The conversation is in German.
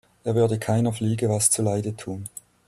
Er würde keiner Fliege was zu Leide tun.